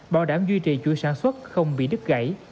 bảo đảm duy trì chuỗi sản xuất không bị đứt gãy